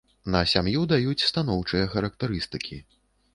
На сям'ю даюць станоўчыя характарыстыкі.